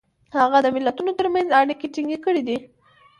هغه د ملتونو ترمنځ اړیکې ټینګ کړي دي.